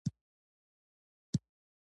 • ښه نیت د انسان بخت روښانه کوي.